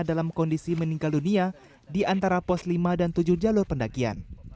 dalam kondisi meninggal dunia di antara pos lima dan tujuh jalur pendakian